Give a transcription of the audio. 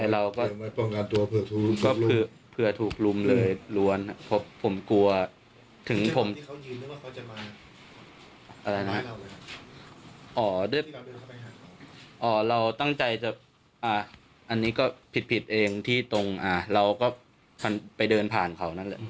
เราตั้งใจจะอันนี้ก็ผิดเองที่ตรงเราก็ไปเดินผ่านเขานั่นแหละ